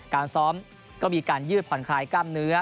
การซ้อมก็มีการยืดผ่อนคลายกล้ามเนื้อ